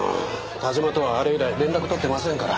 田島とはあれ以来連絡取ってませんから。